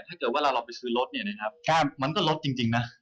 ถ้าเกิดว่าเราไปซื้อรถเนี่ยนะครับมันก็ลดจริงนะ